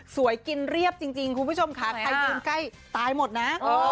สวยกินเรียบจริงครูป้าชมขาใครที่คนใกล้อะตายหมดนะ